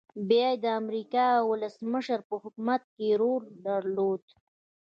بيا يې د امريکا د ولسمشر په حکومت کې رول درلود.